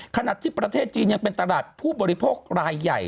ขณะที่ประเทศจีนยังเป็นตลาดผู้บริโภครายใหญ่